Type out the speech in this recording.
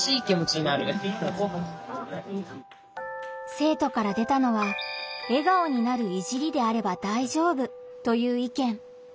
生徒から出たのは「笑顔になる“いじり”であれば大丈夫」という意見。